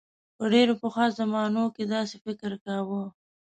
په ډیرو پخوا زمانو کې داسې فکر کاؤ.